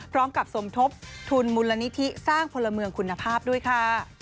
สมทบทุนมูลนิธิสร้างพลเมืองคุณภาพด้วยค่ะ